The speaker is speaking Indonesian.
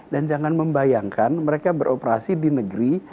dan jangan membayangkan mereka beroperasi di negeri